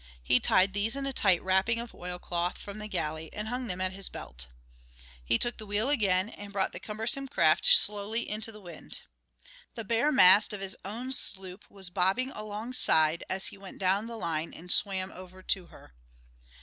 He tied these in a tight wrapping of oilcloth from the galley and hung them at his belt. He took the wheel again and brought the cumbersome craft slowly into the wind. The bare mast of his own sloop was bobbing alongside as he went down the line and swam over to her.